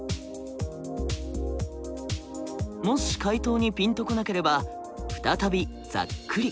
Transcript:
もし回答にピンと来なければ再びざっくり。